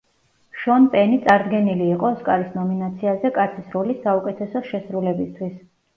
შონ პენი წარდგენილი იყო ოსკარის ნომინაციაზე კაცის როლის საუკეთესო შესრულებისთვის.